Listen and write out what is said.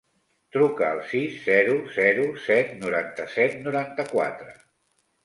Truca al sis, zero, zero, set, noranta-set, noranta-quatre.